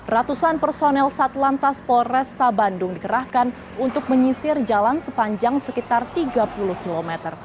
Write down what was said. ratusan personel satlantas polresta bandung dikerahkan untuk menyisir jalan sepanjang sekitar tiga puluh km